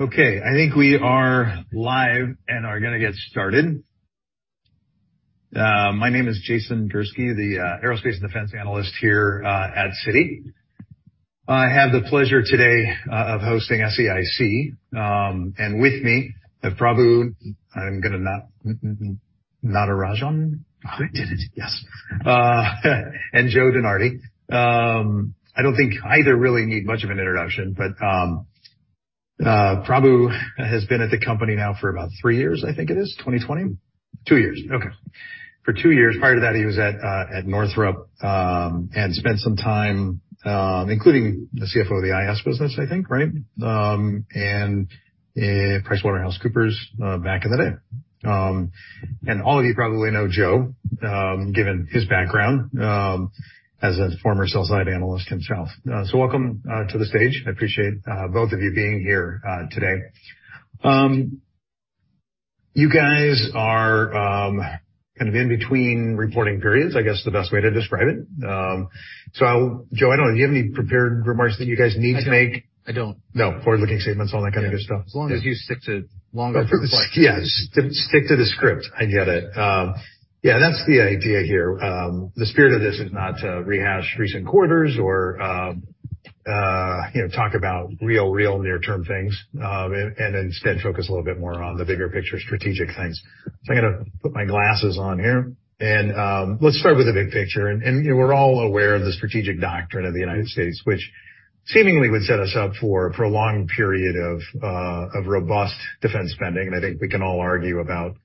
Okay, I think we are live and are gonna get started. My name is Jason Gursky, the aerospace and defense analyst here at Citi. I have the pleasure today of hosting SAIC. With me, Prabu Natarajan. I did it. Yes. Joe DeNardi. I don't think either really need much of an introduction, but Prabu has been at the company now for about three years I think it is. 2020? two years. Yeah Okay. For two years. Prior to that, he was at Northrop and spent some time, including the CFO of the IS business, I think, right? PricewaterhouseCoopers back in the day. All of you probably know Joe, given his background as a former sell-side analyst himself. Welcome to the stage. I appreciate both of you being here today. You guys are kind of in between reporting periods, I guess, the best way to describe it. Joe, I don't know, do you have any prepared remarks that you guys need to make? I don't. No. Forward-looking statements, all that kind of good stuff. As long as you stick to longer. Yes. Stick to the script. I get it. Yeah, that's the idea here. The spirit of this is not to rehash recent quarters or, you know, talk about real near-term things, and instead focus a little bit more on the bigger picture, strategic things. I'm gonna put my glasses on here, and let's start with the big picture. You know, we're all aware of the strategic doctrine of the United States, which seemingly would set us up for a long period of robust defense spending. I think we can all argue about,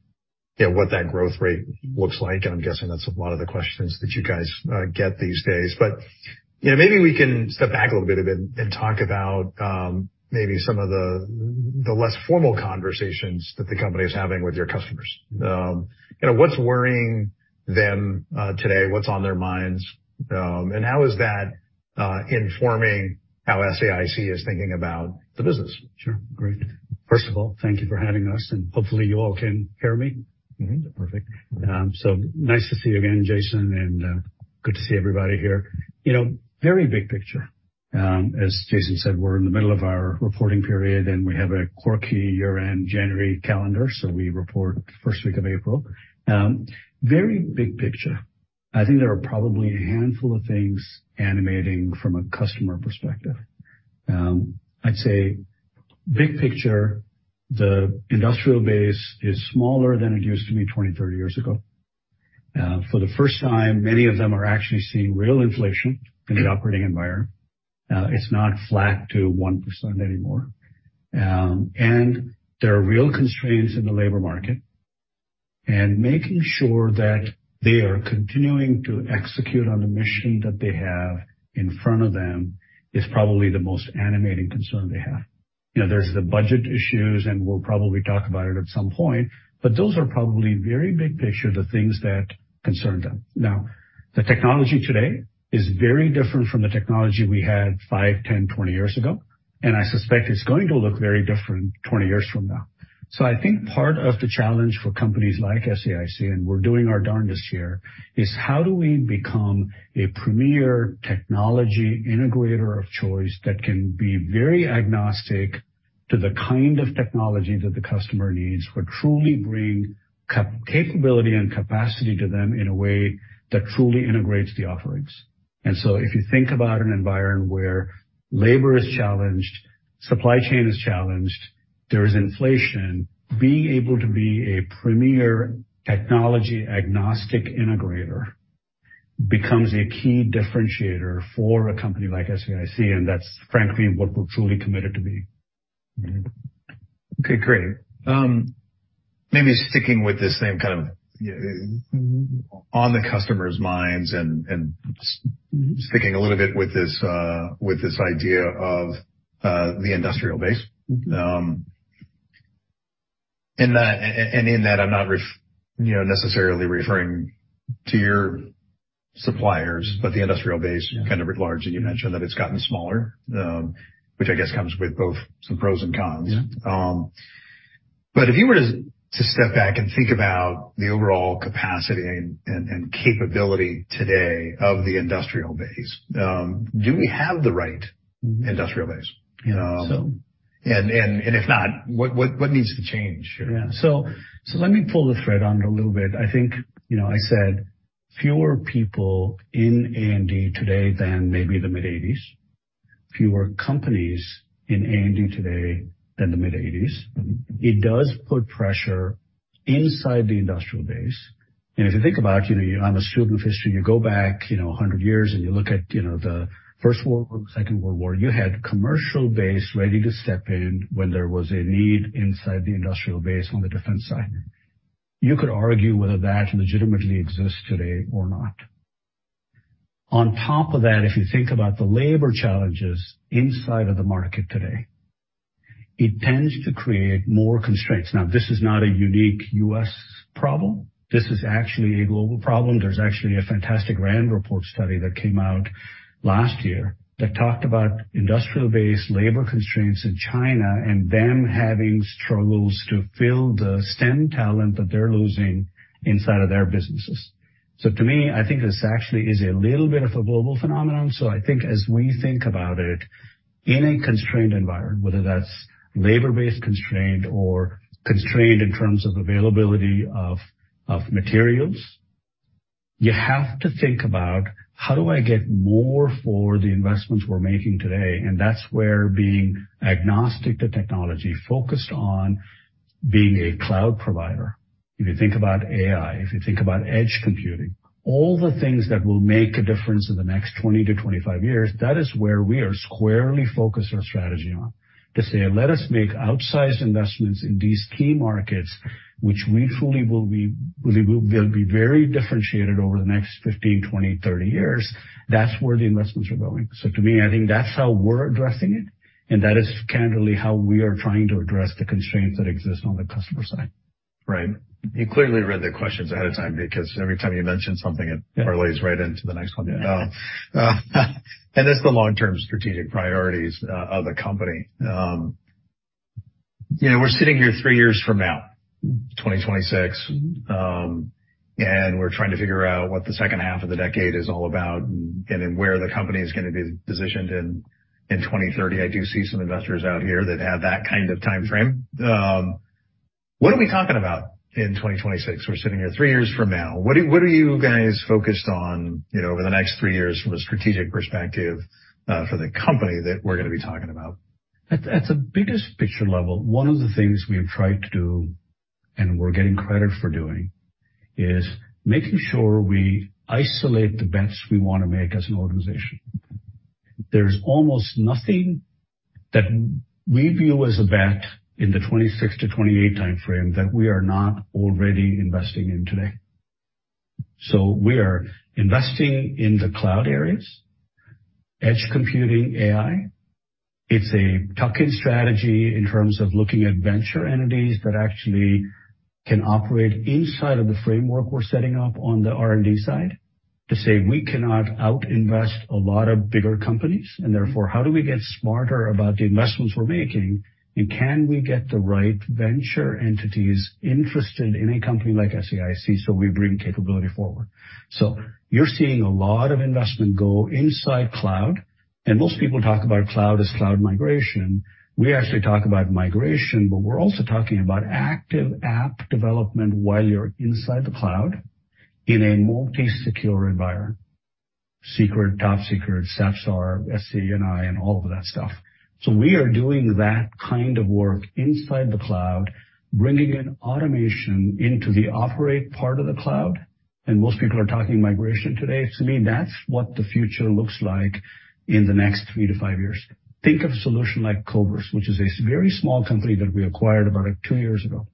you know, what that growth rate looks like, and I'm guessing that's a lot of the questions that you guys get these days. you know, maybe we can step back a little bit and talk about, maybe some of the less formal conversations that the company is having with your customers. you know, what's worrying them, today, what's on their minds, and how is that informing how SAIC is thinking about the business? Sure. Great. First of all, thank you for having us, and hopefully you all can hear me. Mm-hmm. Perfect. Nice to see you again, Jason. Good to see everybody here. You know, very big picture. As Jason said, we're in the middle of our reporting period, and we have a quirky year-end January calendar, so we report first week of April. Very big picture. I think there are probably a handful of things animating from a customer perspective. I'd say big picture, the industrial base is smaller than it used to be 20, 30 years ago. For the first time, many of them are actually seeing real inflation in the operating environment. It's not flat to 1% anymore. There are real constraints in the labor market. Making sure that they are continuing to execute on the mission that they have in front of them is probably the most animating concern they have. You know, there's the budget issues, and we'll probably talk about it at some point, but those are probably very big picture, the things that concern them. The technology today is very different from the technology we had 5, 10, 20 years ago, and I suspect it's going to look very different 20 years from now. I think part of the challenge for companies like SAIC, and we're doing our darndest here, is how do we become a premier technology integrator of choice that can be very agnostic to the kind of technology that the customer needs, but truly bring capability and capacity to them in a way that truly integrates the offerings. If you think about an environment where labor is challenged, supply chain is challenged, there is inflation, being able to be a premier technology agnostic integrator becomes a key differentiator for a company like SAIC, and that's frankly what we're truly committed to be. Okay, great. maybe sticking with this same kind of on the customer's minds and sticking a little bit with this, with this idea of, the industrial base. Mm-hmm. In that, I'm not you know, necessarily referring to your suppliers, but the industrial base kind of at large. You mentioned that it's gotten smaller, which I guess comes with both some pros and cons. Yeah. If you were to step back and think about the overall capacity and capability today of the industrial base, do we have the right industrial base? So- If not, what needs to change? Yeah. Let me pull the thread on it a little bit. I think, you know, I said fewer people in A&D today than maybe the mid-eighties. Fewer companies in A&D today than the mid-eighties. Mm-hmm. It does put pressure inside the industrial base. If you think about it, you know, I'm a student of history. You go back, you know, 100 years and you look at, you know, the First World War, Second World War, you had commercial base ready to step in when there was a need inside the industrial base on the defense side. You could argue whether that legitimately exists today or not. On top of that, if you think about the labor challenges inside of the market today, it tends to create more constraints. This is not a unique U.S. problem. This is actually a global problem. There's actually a fantastic RAND report study that came out last year that talked about industrial base labor constraints in China and them having struggles to fill the STEM talent that they're losing inside of their businesses. To me, I think this actually is a little bit of a global phenomenon. I think as we think about it in a constrained environment, whether that's labor-based constraint or constrained in terms of availability of materials, you have to think about how do I get more for the investments we're making today? That's where being agnostic to technology, focused on being a cloud provider. If you think about AI, if you think about edge computing, all the things that will make a difference in the next 20-25 years, that is where we are squarely focused our strategy on. To say, let us make outsized investments in these key markets, which we truly will be very differentiated over the next 15, 20, 30 years. That's where the investments are going. To me, I think that's how we're addressing it, and that is candidly how we are trying to address the constraints that exist on the customer side. Right. You clearly read the questions ahead of time because every time you mention something, it parlays right into the next one. It's the long-term strategic priorities of the company. You know, we're sitting here three years from now, 2026, and we're trying to figure out what the second half of the decade is all about and where the company is gonna be positioned in 2030. I do see some investors out here that have that kind of time frame. What are we talking about in 2026? We're sitting here three years from now. What are you guys focused on, you know, over the next three years from a strategic perspective for the company that we're gonna be talking about? At the biggest picture level, one of the things we've tried to do, and we're getting credit for doing, is making sure we isolate the bets we wanna make as an organization. There's almost nothing that we view as a bet in the 26-28 time frame that we are not already investing in today. We are investing in the cloud areas, edge computing, AI. It's a tuck-in strategy in terms of looking at venture entities that actually can operate inside of the framework we're setting up on the R&D side to say, we cannot out-invest a lot of bigger companies, therefore, how do we get smarter about the investments we're making, and can we get the right venture entities interested in a company like SAIC so we bring capability forward. You're seeing a lot of investment go inside cloud, and most people talk about cloud as cloud migration. We actually talk about migration, but we're also talking about active app development while you're inside the cloud in a multi-secure environment, secret, top secret, SAP/SAR, SCI, and all of that stuff. We are doing that kind of work inside the cloud, bringing in automation into the operate part of the cloud. Most people are talking migration today. To me, that's what the future looks like in the next 3 to 5 years. Think of a solution like Koverse, which is a very small company that we acquired about two years ago.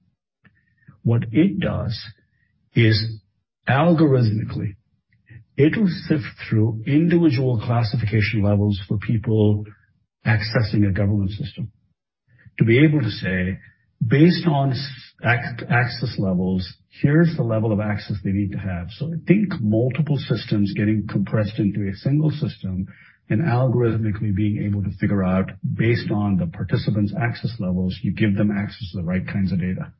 What it does is algorithmically, it will sift through individual classification levels for people accessing a government system to be able to say, based on access levels, here's the level of access they need to have. Think multiple systems getting compressed into a single system and algorithmically being able to figure out based on the participant's access levels, you give them access to the right kinds of data.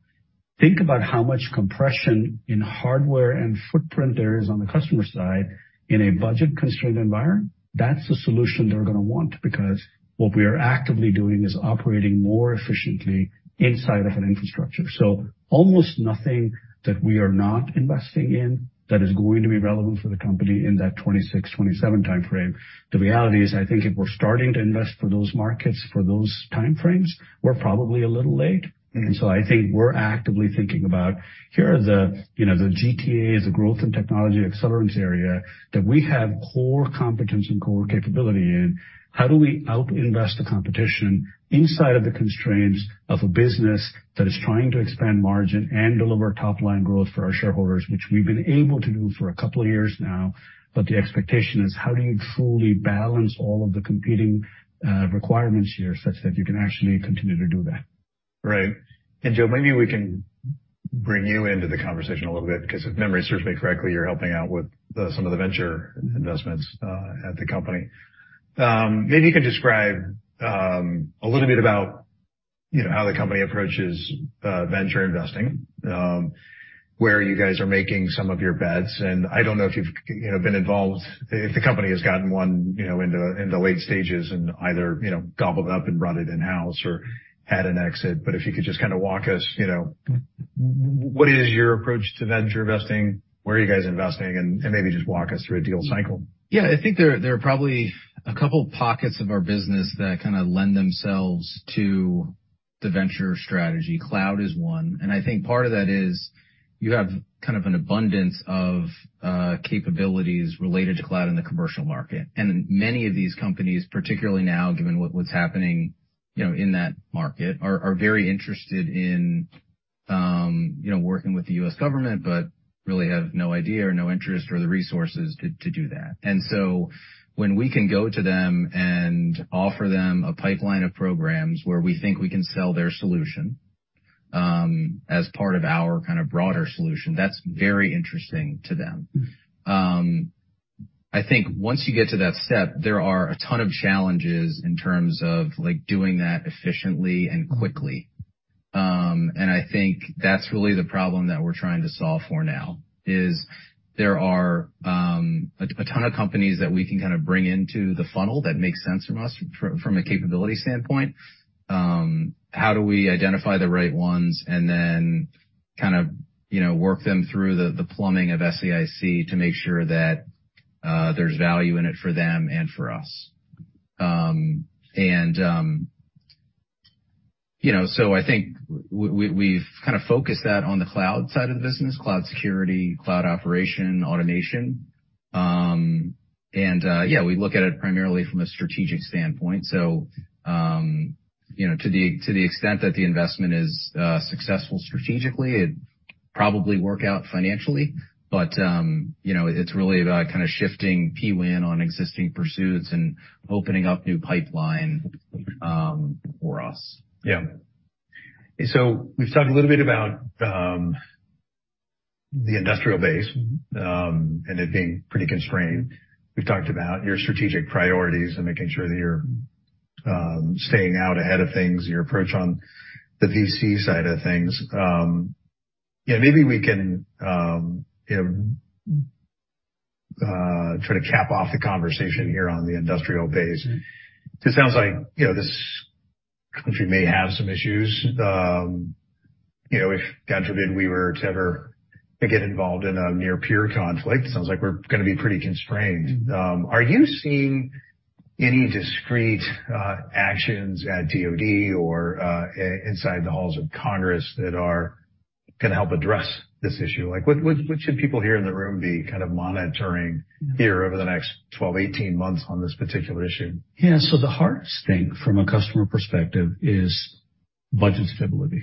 Think about how much compression in hardware and footprint there is on the customer side in a budget-constrained environment. That's the solution they're gonna want because what we are actively doing is operating more efficiently inside of an infrastructure. Almost nothing that we are not investing in that is going to be relevant for the company in that 2026, 2027 time frame. The reality is, I think if we're starting to invest for those markets, for those time frames, we're probably a little late. I think we're actively thinking about, here are the, you know, the GTAs, the Growth and Technology Accelerants area that we have core competence and core capability in. How do we out-invest the competition inside of the constraints of a business that is trying to expand margin and deliver top-line growth for our shareholders, which we've been able to do for a couple of years now. The expectation is, how do you truly balance all of the competing requirements here such that you can actually continue to do that? Right. Joe, maybe we can bring you into the conversation a little bit because if memory serves me correctly, you're helping out with the, some of the venture investments at the company. Maybe you can describe a little bit about, you know, how the company approaches venture investing, where you guys are making some of your bets. I don't know if you've, you know, if the company has gotten one, you know, into late stages and either, you know, gobbled up and brought it in-house or had an exit. If you could just kinda walk us, you know, what is your approach to venture investing? Where are you guys investing? And maybe just walk us through a deal cycle. Yeah. I think there are probably a couple of pockets of our business that kinda lend themselves to the venture strategy. Cloud is one, and I think part of that is you have kind of an abundance of capabilities related to cloud in the commercial market. Many of these companies, particularly now, given what's happening, you know, in that market, are very interested in, you know, working with the U.S. government, but really have no idea or no interest or the resources to do that. When we can go to them and offer them a pipeline of programs where we think we can sell their solution, as part of our kind of broader solution, that's very interesting to them. I think once you get to that step, there are a ton of challenges in terms of, like, doing that efficiently and quickly. I think that's really the problem that we're trying to solve for now is there are a ton of companies that we can kind of bring into the funnel that makes sense from us from a capability standpoint. How do we identify the right ones and then kind of, you know, work them through the plumbing of SAIC to make sure that there's value in it for them and for us. you know, I think we've kind of focused that on the cloud side of the business, cloud security, cloud operation, automation. We look at it primarily from a strategic standpoint. you know, to the extent that the investment is successful strategically, it'd probably work out financially, you know, it's really about kind of shifting Pwin on existing pursuits and opening up new pipeline for us. We've talked a little bit about the industrial base, and it being pretty constrained. We've talked about your strategic priorities and making sure that you're staying out ahead of things, your approach on the VC side of things. Maybe we can, you know, try to cap off the conversation here on the industrial base. It sounds like, you know, this country may have some issues. You know, if, God forbid, we were to ever get involved in a near peer conflict, it sounds like we're gonna be pretty constrained. Are you seeing any discrete actions at DoD or inside the halls of Congress that are gonna help address this issue? Like, what, what should people here in the room be kind of monitoring here over the next 12, 18 months on this particular issue? The hardest thing from a customer perspective is budget stability.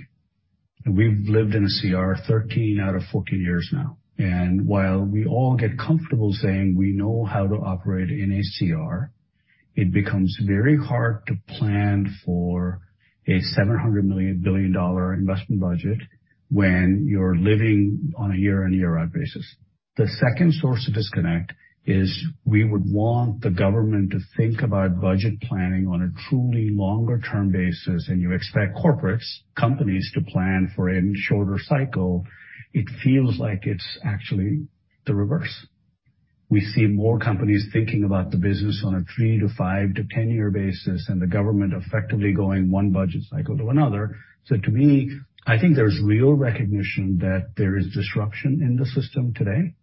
We've lived in a CR 13 out of 14 years now, and while we all get comfortable saying we know how to operate in a CR, it becomes very hard to plan for a $700 million, billion dollar investment budget when you're living on a year-on-year out basis. The second source of disconnect is we would want the government to think about budget planning on a truly longer term basis, and you expect corporates, companies to plan for a shorter cycle. It feels like it's actually the reverse. We see more companies thinking about the business on a three to five to 10 years basis and the government effectively going one budget cycle to another. To me, I think there's real recognition that there is disruption in the system today,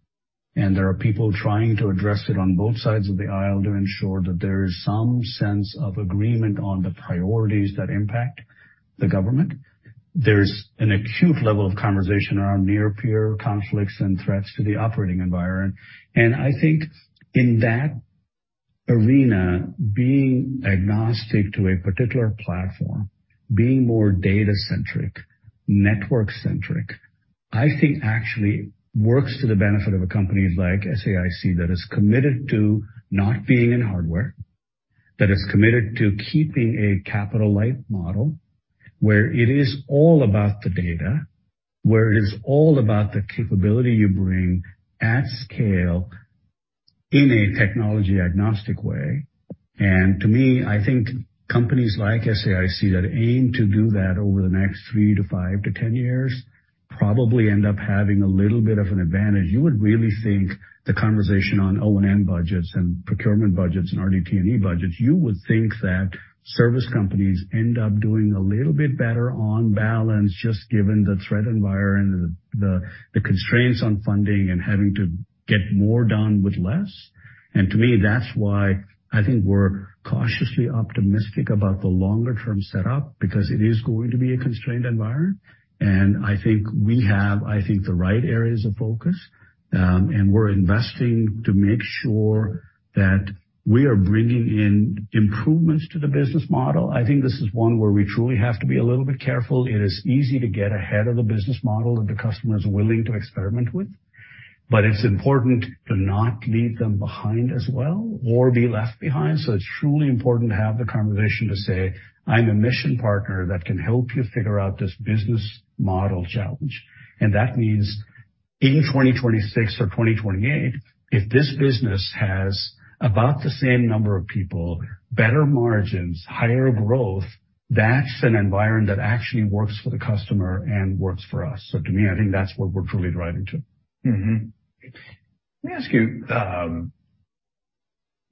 and there are people trying to address it on both sides of the aisle to ensure that there is some sense of agreement on the priorities that impact the government. There's an acute level of conversation around near peer conflicts and threats to the operating environment. I think in that arena, being agnostic to a particular platform, being more data-centric, network-centric, I think actually works to the benefit of a company like SAIC that is committed to not being in hardware, that is committed to keeping a capital-light model, where it is all about the data, where it is all about the capability you bring at scale in a technology agnostic way. To me, I think companies like SAIC that aim to do that over the next 3 to 5 to 10 years probably end up having a little bit of an advantage. You would really think the conversation on O&M budgets and procurement budgets and RDT&E budgets, you would think that service companies end up doing a little bit better on balance just given the threat environment, the constraints on funding and having to get more done with less. To me, that's why I think we're cautiously optimistic about the longer term set up because it is going to be a constrained environment. I think we have the right areas of focus, and we're investing to make sure that we are bringing in improvements to the business model. I think this is one where we truly have to be a little bit careful. It is easy to get ahead of the business model that the customer is willing to experiment with, but it's important to not leave them behind as well or be left behind. It's truly important to have the conversation to say, "I'm a mission partner that can help you figure out this business model challenge." That means in 2026 or 2028, if this business has about the same number of people, better margins, higher growth, that's an environment that actually works for the customer and works for us. To me, I think that's what we're truly driving to. Let me ask you,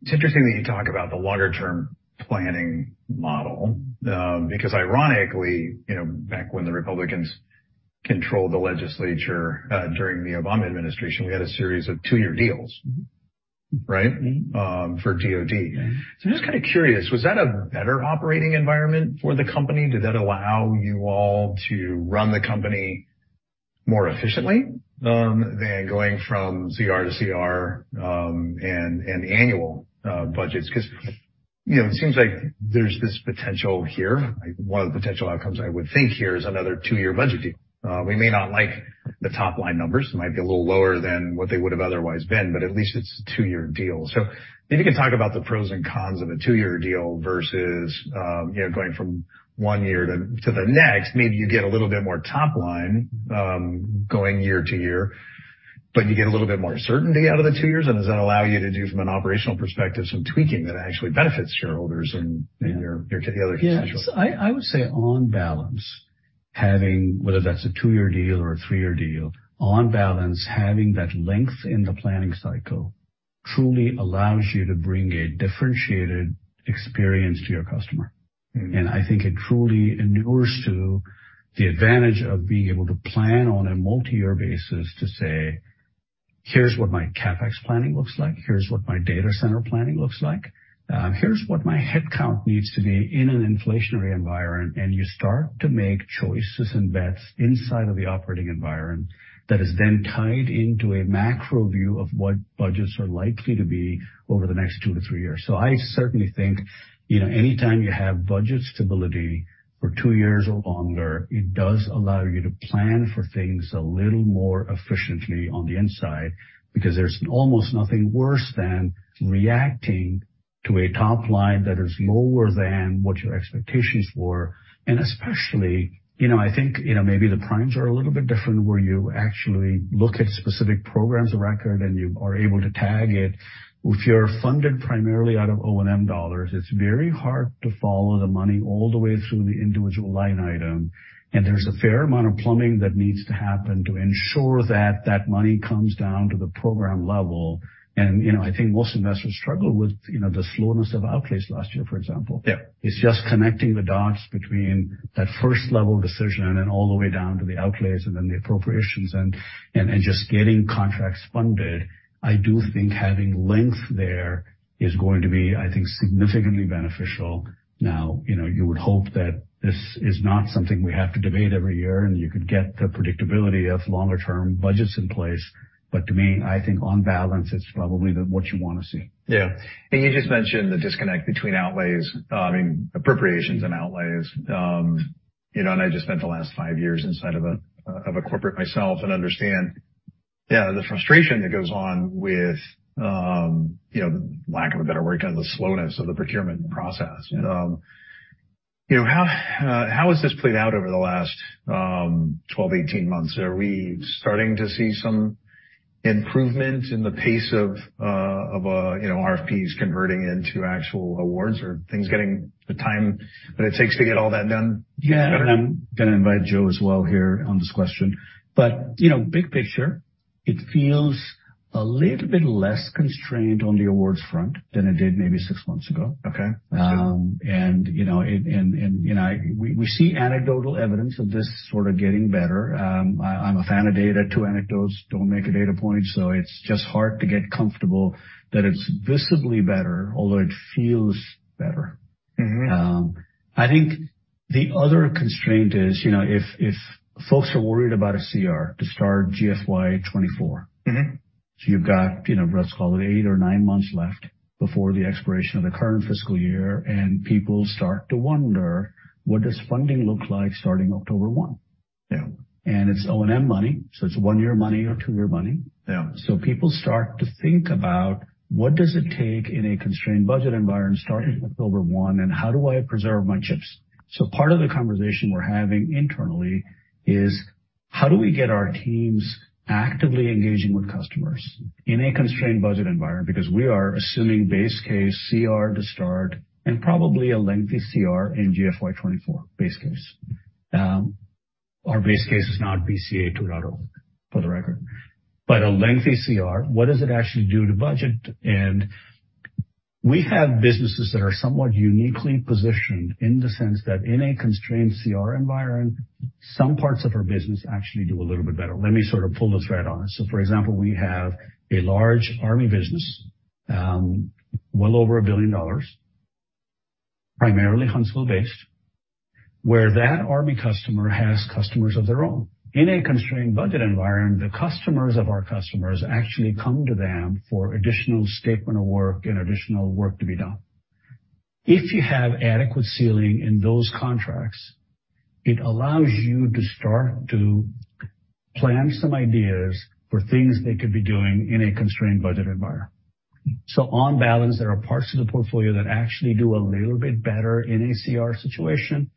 it's interesting that you talk about the longer term planning model, because ironically, you know, back when the Republicans controlled the legislature, during the Obama administration, we had a series of 2-year deals. Mm-hmm. Right? Mm-hmm. For DoD. I'm just kinda curious, was that a better operating environment for the company? Did that allow you all to run the company more efficiently than going from CR to CR and the annual budgets? You know, it seems like there's this potential here. One of the potential outcomes I would think here is another 2-year budget deal. We may not like the top-line numbers. It might be a little lower than what they would've otherwise been, but at least it's a 2-year deal. Maybe you can talk about the pros and cons of a 2-year deal versus, you know, going from 1 year to the next. Maybe you get a little bit more top line, going year-over-year. You get a little bit more certainty out of the two years, does that allow you to do from an operational perspective, some tweaking that actually benefits shareholders and your other constituents? Yeah. I would say on balance, having whether that's a two-year deal or a three-year deal, on balance, having that length in the planning cycle truly allows you to bring a differentiated experience to your customer. Mm-hmm. I think it truly endures to the advantage of being able to plan on a multi-year basis to say, "Here's what my CapEx planning looks like, here's what my data center planning looks like, here's what my headcount needs to be in an inflationary environment." You start to make choices and bets inside of the operating environment that is then tied into a macro view of what budgets are likely to be over the next two to three years. I certainly think, you know, anytime you have budget stability for two years or longer, it does allow you to plan for things a little more efficiently on the inside, because there's almost nothing worse than reacting to a top line that is lower than what your expectations were. Especially, you know, I think, you know, maybe the primes are a little bit different, where you actually look at specific programs of record, and you are able to tag it. If you're funded primarily out of O&M $, it's very hard to follow the money all the way through the individual line item. There's a fair amount of plumbing that needs to happen to ensure that that money comes down to the program level. You know, I think most investors struggle with, you know, the slowness of outlays last year, for example. Yeah It's just connecting the dots between that first level of decision and then all the way down to the outlays and then the appropriations and just getting contracts funded. I do think having length there is going to be, I think, significantly beneficial. You know, you would hope that this is not something we have to debate every year, and you could get the predictability of longer term budgets in place. To me, I think on balance, it's probably what you wanna see. Yeah. You just mentioned the disconnect between outlays, I mean, appropriations and outlays. You know, I just spent the last five years inside of a, of a corporate myself and understand, yeah, the frustration that goes on with, you know, lack of a better word, kind of the slowness of the procurement process. You know, how has this played out over the last 12, 18 months? Are we starting to see some improvement in the pace of, you know, RFPs converting into actual awards or things getting the time that it takes to get all that done better? Yeah. I'm gonna invite Joe as well here on this question. You know, big picture, it feels a little bit less constrained on the awards front than it did maybe six months ago. Okay. you know, and you know, we see anecdotal evidence of this sort of getting better. I'm a fan of data. Two anecdotes don't make a data point, so it's just hard to get comfortable that it's visibly better, although it feels better. Mm-hmm. I think the other constraint is, you know, if folks are worried about a CR to start GFY 2024. Mm-hmm. You've got, you know, let's call it eight or nine months left before the expiration of the current fiscal year, and people start to wonder, what does funding look like starting October one? Yeah. It's O&M money. It's one-year money or two-year money. Yeah. People start to think about what does it take in a constrained budget environment starting October 1, and how do I preserve my chips? Part of the conversation we're having internally is how do we get our teams actively engaging with customers in a constrained budget environment? Because we are assuming base case CR to start and probably a lengthy CR in GFY24 base case. Our base case is not BCA 2.0 for the record. A lengthy CR, what does it actually do to budget? We have businesses that are somewhat uniquely positioned in the sense that in a constrained CR environment, some parts of our business actually do a little bit better. Let me sort of pull the thread on it. For example, we have a large Army business, well over $1 billion, primarily Huntsville-based, where that Army customer has customers of their own. In a constrained budget environment, the customers of our customers actually come to them for additional statement of work and additional work to be done. If you have adequate ceiling in those contracts, it allows you to start to plan some ideas for things they could be doing in a constrained budget environment. On balance, there are parts of the portfolio that actually do a little bit better in a CR situation,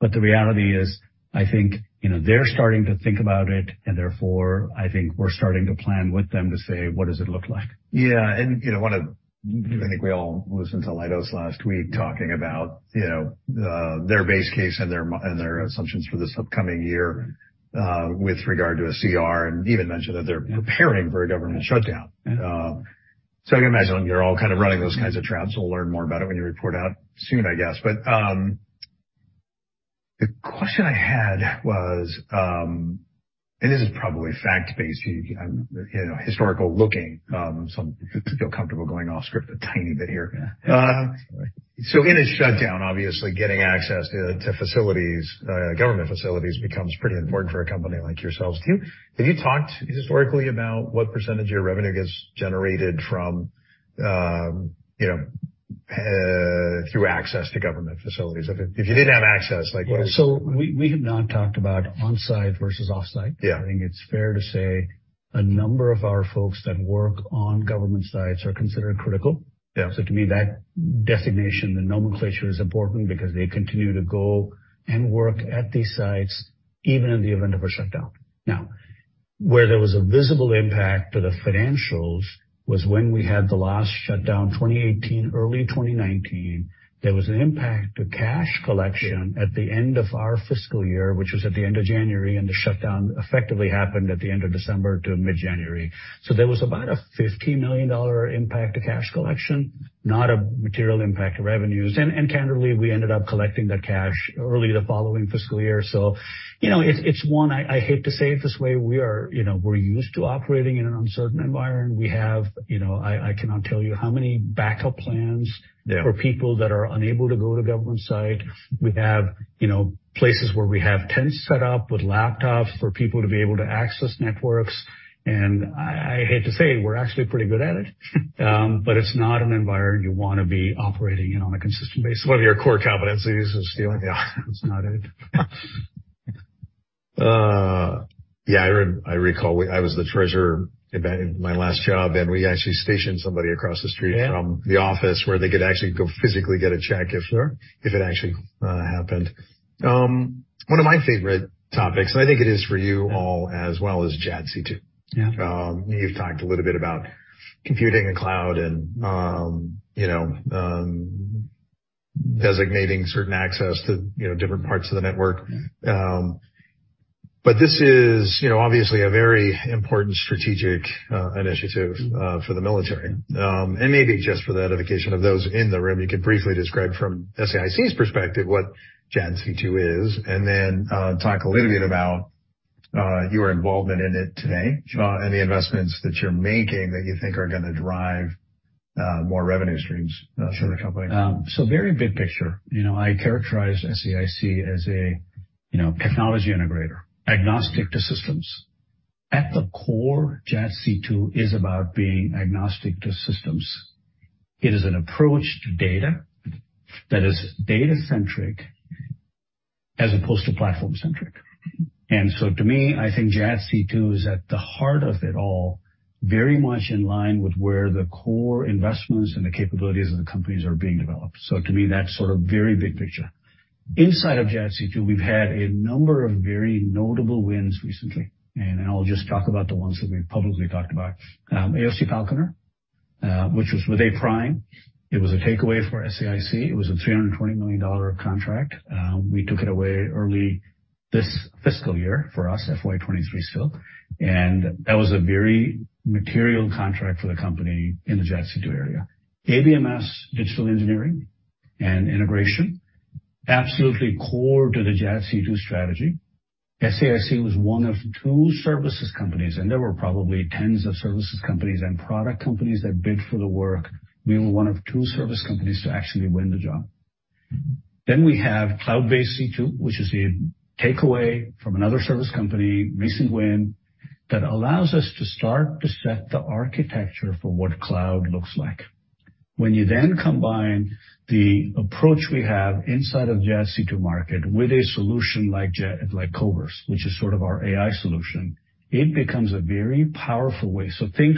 but the reality is, I think, you know, they're starting to think about it, and therefore, I think we're starting to plan with them to say, "What does it look like? Yeah. You know what? I think we all listened to Leidos last week talking about, you know, their base case and their, and their assumptions for this upcoming year, with regard to a CR, and even mentioned that they're preparing for a government shutdown. I can imagine you're all kind of running those kinds of traps. We'll learn more about it when you report out soon, I guess. The question I had was, this is probably fact-based, you know, historical-looking, so feel comfortable going off script a tiny bit here. Yeah. In a shutdown, obviously getting access to facilities, government facilities becomes pretty important for a company like yourselves. Have you talked historically about what percentage of your revenue gets generated from, you know, through access to government facilities? If you didn't have access, like what is? We have not talked about on-site versus off-site. Yeah. I think it's fair to say a number of our folks that work on government sites are considered critical. Yeah. To me, that designation, the nomenclature is important because they continue to go and work at these sites even in the event of a shutdown. Where there was a visible impact to the financials was when we had the last shutdown, 2018, early 2019. There was an impact to cash collection at the end of our fiscal year, which was at the end of January, and the shutdown effectively happened at the end of December to mid-January. There was about a $50 million impact to cash collection, not a material impact to revenues. Candidly, we ended up collecting that cash early the following fiscal year. You know, it's one I hate to say it this way. We are, you know, we're used to operating in an uncertain environment. We have, you know, I cannot tell you how many backup plans. Yeah. for people that are unable to go to government site. We have, you know, places where we have tents set up with laptops for people to be able to access networks. I hate to say we're actually pretty good at it, but it's not an environment you wanna be operating in on a consistent basis. One of your core competencies is dealing, yeah. It's not it. Yeah, I recall I was the treasurer in my last job, we actually stationed somebody across the street... Yeah. -from the office where they could actually go physically get a check if it actually happened. One of my favorite topics, and I think it is for you all as well, is JADC2. Yeah. You've talked a little bit about computing and cloud and, you know, designating certain access to, you know, different parts of the network. This is, you know, obviously a very important strategic initiative for the military. Maybe just for the edification of those in the room, you could briefly describe from SAIC's perspective, what JADC2 is, and then, talk a little bit about your involvement in it today, and the investments that you're making that you think are gonna drive more revenue streams for the company. Very big picture. You know, I characterize SAIC as a, you know, technology integrator, agnostic to systems. At the core, JADC2 is about being agnostic to systems. It is an approach to data that is data-centric as opposed to platform-centric. To me, I think JADC2 is at the heart of it all, very much in line with where the core investments and the capabilities of the companies are being developed. To me, that's sort of very big picture. Inside of JADC2, we've had a number of very notable wins recently, and I'll just talk about the ones that we've publicly talked about. AOC Falconer, which was with A Prime. It was a takeaway for SAIC. It was a $320 million contract. We took it away early this fiscal year for us, FY23 still. That was a very material contract for the company in the JADC2 area. ABMS digital engineering and integration, absolutely core to the JADC2 strategy. SAIC was one of two services companies, and there were probably tens of services companies and product companies that bid for the work. We were one of two service companies to actually win the job. We have Cloud Based C2, which is a takeaway from another service company, recent win, that allows us to start to set the architecture for what cloud looks like. When you combine the approach we have inside of JADC2 market with a solution like Koverse, which is sort of our AI solution, it becomes a very powerful way. Think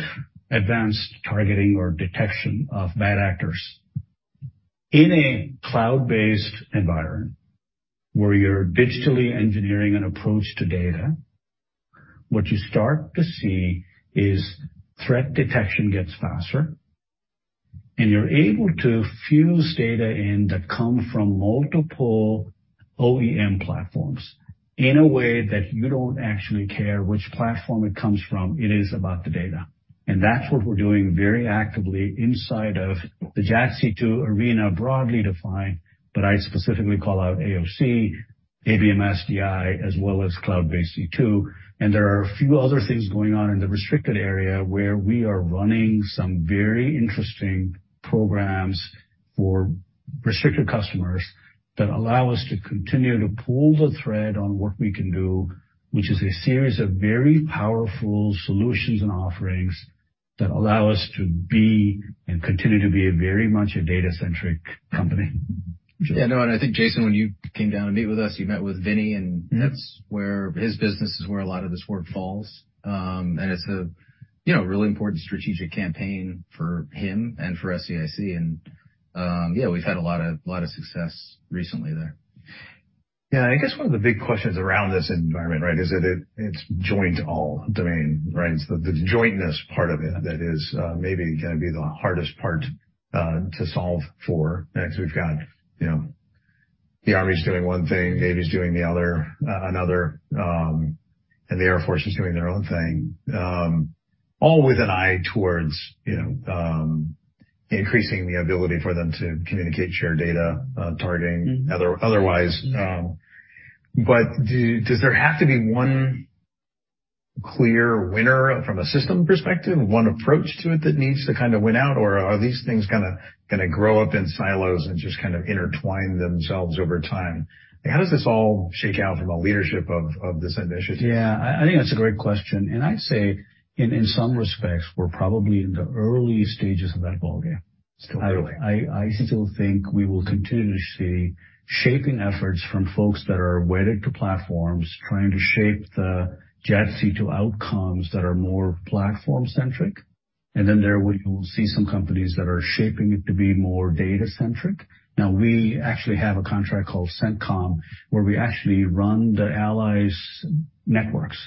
advanced targeting or detection of bad actors. In a cloud-based environment where you're digital engineering an approach to data, what you start to see is threat detection gets faster, and you're able to fuse data in that come from multiple OEM platforms in a way that you don't actually care which platform it comes from. It is about the data. That's what we're doing very actively inside of the JADC2 arena, broadly defined, but I specifically call out AOC, ABMS DI, as well as Cloud Based C2. There are a few other things going on in the restricted area where we are running some very interesting programs for restricted customers that allow us to continue to pull the thread on work we can do, which is a series of very powerful solutions and offerings that allow us to be and continue to be a very much a data-centric company. No, and I think, Jason, when you came down to meet with us, you met with Vinnie, and that's where his business is, where a lot of this work falls. It's a, you know, really important strategic campaign for him and for SAIC. We've had a lot of success recently there. I guess one of the big questions around this environment, right, is that it's joint all domain, right? It's the jointness part of it that is maybe gonna be the hardest part to solve for next. We've got, you know, the Army's doing one thing, Navy's doing the other, another, and the Air Force is doing their own thing, all with an eye towards, you know, increasing the ability for them to communicate, share data, targeting other-otherwise. Does there have to be one clear winner from a system perspective, one approach to it that needs to kinda win out? Or are these things kinda gonna grow up in silos and just kind of intertwine themselves over time? How does this all shake out from a leadership of this initiative? Yeah. I think that's a great question. I'd say in some respects, we're probably in the early stages of that ballgame. Still early. I still think we will continue to see shaping efforts from folks that are wedded to platforms trying to shape the JADC2 outcomes that are more platform-centric. Then there we will see some companies that are shaping it to be more data-centric. We actually have a contract called CENTCOM, where we actually run the allies networks.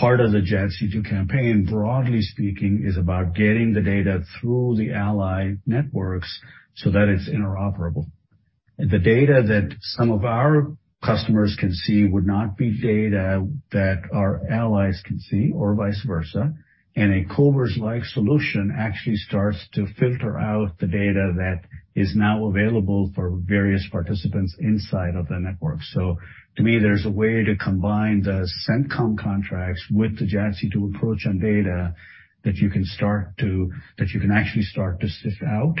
Part of the JADC2 campaign, broadly speaking, is about getting the data through the ally networks so that it's interoperable. The data that some of our customers can see would not be data that our allies can see or vice versa. A Koverse-like solution actually starts to filter out the data that is now available for various participants inside of the network. To me, there's a way to combine the CENTCOM contracts with the JADC2 approach and data that you can actually start to sift out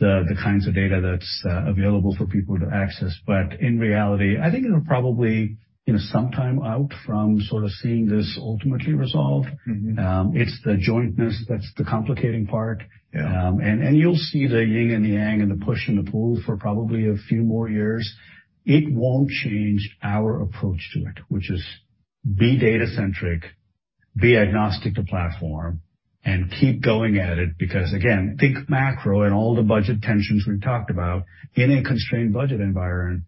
the kinds of data that's available for people to access. In reality, I think it'll probably, you know, some time out from sort of seeing this ultimately resolved. Mm-hmm. It's the jointness that's the complicating part. Yeah. You'll see the yin and the yang and the push and the pull for probably a few more years. It won't change our approach to it, which is be data-centric, be agnostic to platform, and keep going at it, because again, think macro and all the budget tensions we talked about. In a constrained budget environment,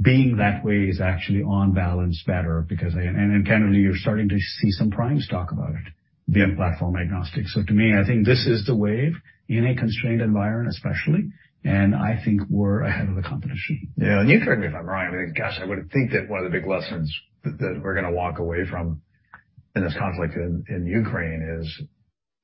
being that way is actually on balance better because and candidly, you're starting to see some primes talk about it, being platform agnostic. To me, I think this is the wave in a constrained environment, especially, and I think we're ahead of the competition. Yeah. You correct me if I'm wrong. I mean, gosh, I would think that one of the big lessons that we're gonna walk away from in this conflict in Ukraine is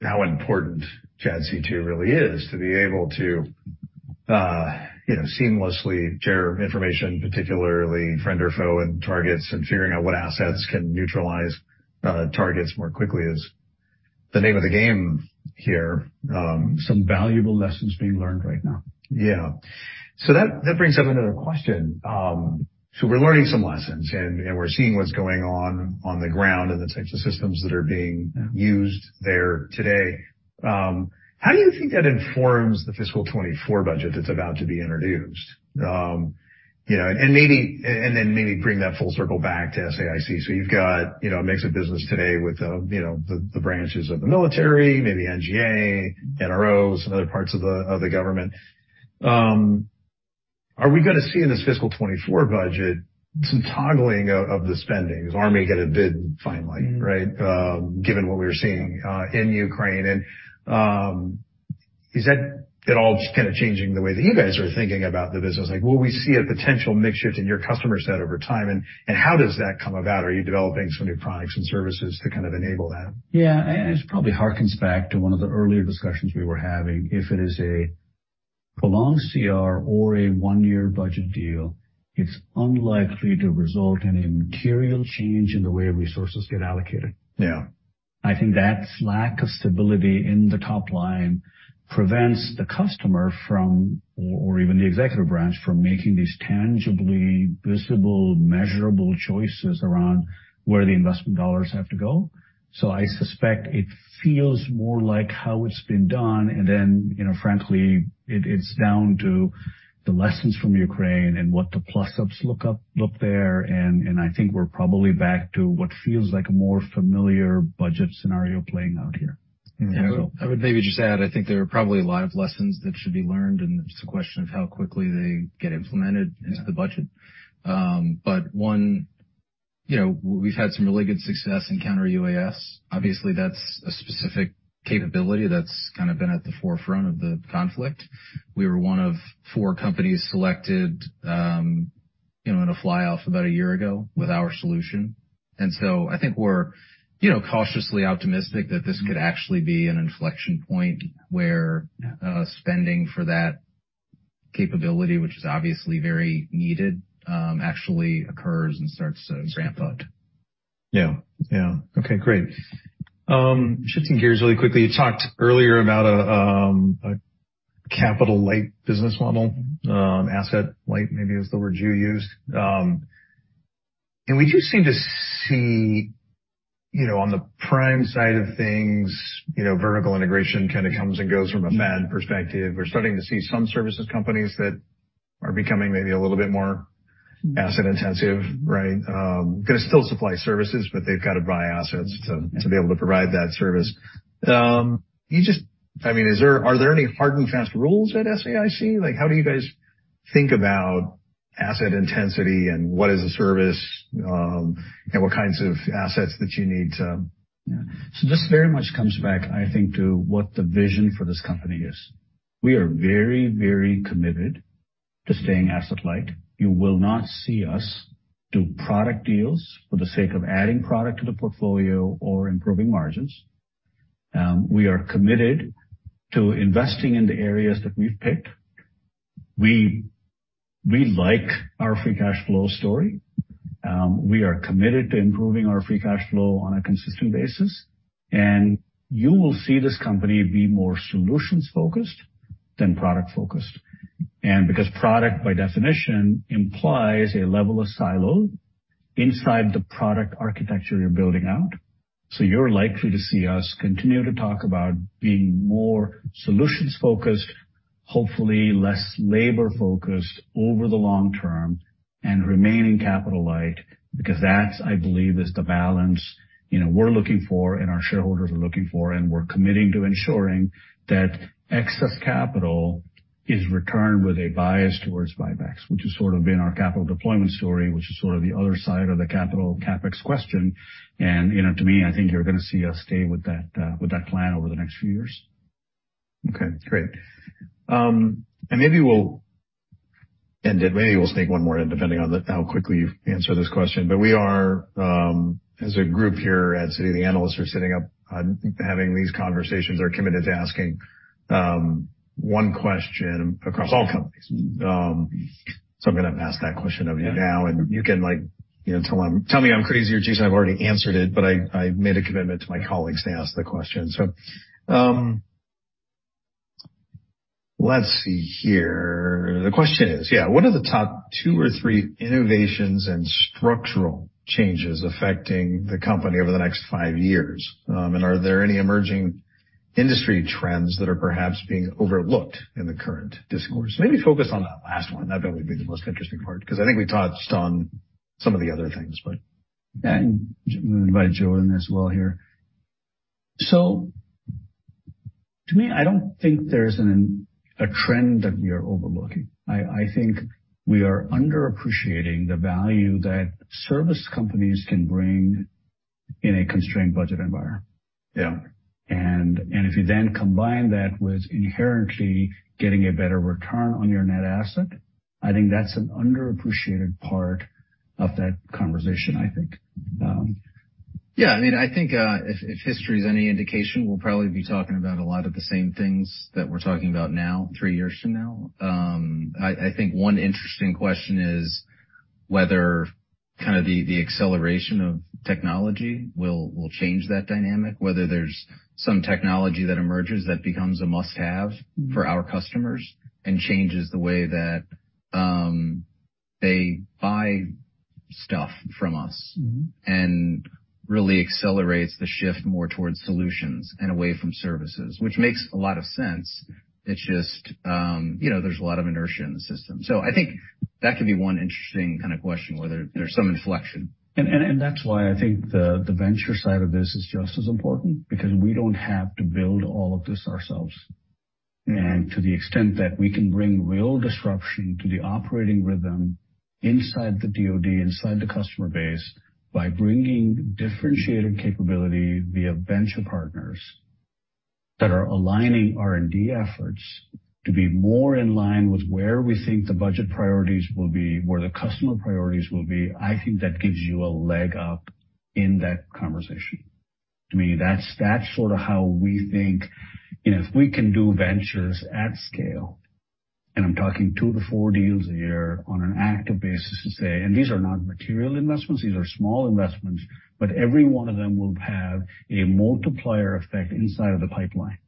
how important JADC2 really is to be able to, you know, seamlessly share information, particularly friend or foe and targets and figuring out what assets can neutralize targets more quickly is the name of the game here. Some valuable lessons being learned right now. Yeah. That brings up another question. We're learning some lessons and we're seeing what's going on the ground and the types of systems that are being used there today. How do you think that informs the fiscal 24 budget that's about to be introduced? You know, maybe bring that full circle back to SAIC. You've got, you know, a mix of business today with, you know, the branches of the military, maybe NGA, NRO and other parts of the government. Are we gonna see in this fiscal 24 budget some toggling of the spending? Is Army gonna bid finally, right? Given what we're seeing in Ukraine and is that at all just kinda changing the way that you guys are thinking about the business? Like, will we see a potential mix shift in your customer set over time and how does that come about? Are you developing some new products and services to kind of enable that? Yeah. It probably harkens back to one of the earlier discussions we were having. If it is a prolonged CR or a one-year budget deal, it's unlikely to result in a material change in the way resources get allocated. Yeah. I think that lack of stability in the top line prevents the customer from, or even the executive branch, from making these tangibly visible, measurable choices around where the investment dollars have to go. I suspect it feels more like how it's been done. You know, frankly, it's down to the lessons from Ukraine and what the plus-ups look there. I think we're probably back to what feels like a more familiar budget scenario playing out here. Mm-hmm. I would maybe just add, I think there are probably a lot of lessons that should be learned, and it's a question of how quickly they get implemented into the budget. But one, you know, we've had some really good success in Counter-UAS. Obviously, that's a specific capability that's kind of been at the forefront of the conflict. We were one of four companies selected, you know, in a fly off about a year ago with our solution. I think we're, you know, cautiously optimistic that this could actually be an inflection point where spending for that capability, which is obviously very needed, actually occurs and starts to ramp up. Yeah. Yeah. Okay, great. Shifting gears really quickly. You talked earlier about a capital light business model. Asset light maybe is the word you used. We do seem to see, you know, on the prime side of things, you know, vertical integration kinda comes and goes from a fad perspective. We're starting to see some services companies that are becoming maybe a little bit more asset intensive, right? Gonna still supply services, but they've got to buy assets to be able to provide that service. I mean, are there any hard and fast rules at SAIC? Like, how do you guys think about asset intensity and what is a service, and what kinds of assets that you need to... This very much comes back, I think, to what the vision for this company is. We are very, very committed to staying asset light. You will not see us do product deals for the sake of adding product to the portfolio or improving margins. We are committed to investing in the areas that we've picked. We like our free cash flow story. We are committed to improving our free cash flow on a consistent basis. You will see this company be more solutions-focused than product-focused. Because product by definition implies a level of silo inside the product architecture you're building out. You're likely to see us continue to talk about being more solutions-focused. Hopefully less labor focused over the long term and remaining capital light because that, I believe, is the balance, you know, we're looking for and our shareholders are looking for, and we're committing to ensuring that excess capital is returned with a bias towards buybacks, which has sort of been our capital deployment story, which is sort of the other side of the capital CapEx question. You know, to me, I think you're gonna see us stay with that, with that plan over the next few years. Okay, great. Maybe we'll end it. Maybe we'll sneak 1 more in, depending on how quickly you answer this question. We are, as a group here at Citi, the analysts are sitting up on having these conversations, are committed to asking 1 question across all companies. I'm gonna ask that question of you now, and you can, like, tell them, tell me I'm crazy or, geez, I've already answered it, but I made a commitment to my colleagues to ask the question. Let's see here. The question is, yeah, what are the top 2 or 3 innovations and structural changes affecting the company over the next 5 years? Are there any emerging industry trends that are perhaps being overlooked in the current discourse? Maybe focus on that last 1. That would be the most interesting part, 'cause I think we touched on some of the other things, but. Yeah. I invite Joe in as well here. To me, I don't think there's a trend that we are overlooking. I think we are underappreciating the value that service companies can bring in a constrained budget environment. Yeah. If you combine that with inherently getting a better return on your net asset, I think that's an underappreciated part of that conversation, I think. Yeah. I mean, I think, if history is any indication, we'll probably be talking about a lot of the same things that we're talking about now three years from now. I think one interesting question is whether kinda the acceleration of technology will change that dynamic, whether there's some technology that emerges that becomes a must-have for our customers and changes the way that, they buy stuff from us. Mm-hmm. really accelerates the shift more towards solutions and away from services, which makes a lot of sense. It's just, you know, there's a lot of inertia in the system. I think that could be one interesting kind of question, whether there's some inflection. That's why I think the venture side of this is just as important because we don't have to build all of this ourselves. Mm. To the extent that we can bring real disruption to the operating rhythm inside the DoD, inside the customer base, by bringing differentiated capability via venture partners that are aligning R&D efforts to be more in line with where we think the budget priorities will be, where the customer priorities will be, I think that gives you a leg up in that conversation. To me, that's sort of how we think, you know, if we can do ventures at scale, and I'm talking two to four deals a year on an active basis to say, and these are not material investments, these are small investments, but every one of them will have a multiplier effect inside of the pipeline.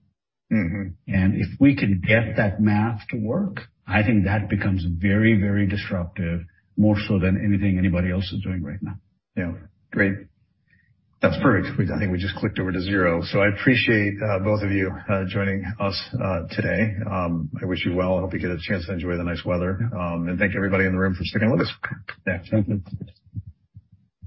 Mm-hmm. If we can get that math to work, I think that becomes very, very disruptive, more so than anything anybody else is doing right now. Yeah. Great. That's perfect. I think we just clicked over to zero. I appreciate both of you joining us today. I wish you well. I hope you get a chance to enjoy the nice weather. Thank everybody in the room for sticking with us. Yeah. Thank you.